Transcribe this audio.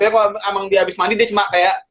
ternyata kalau emang dia abis mandi dia cuma kayak